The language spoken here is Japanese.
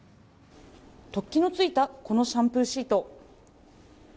突起のついたこのシャンプーシート。